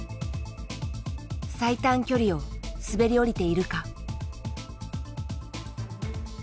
最短距離を滑り降りているか。